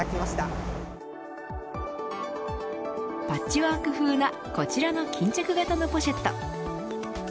パッチワーク風なこちらの巾着型のポシェット